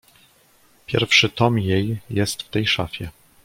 "Pierwszy tom jej jest w tej szafie."